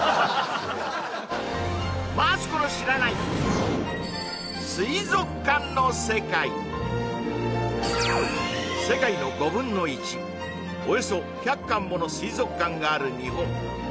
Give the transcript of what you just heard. そう世界の５分の１およそ１００館もの水族館がある日本